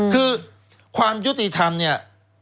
คือความยุติธรรมเนี่ย